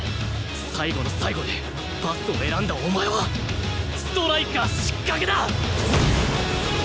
最後の最後でパスを選んだお前はストライカー失格だ！